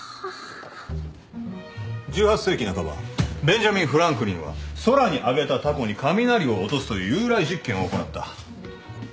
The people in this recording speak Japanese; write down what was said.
ベンジャミン・フランクリンは空に揚げたたこに雷を落とすという誘雷実験を行った。